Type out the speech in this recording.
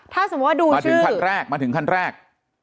ถ้าสมมุติว่าดูชื่อมาถึงขั้นแรก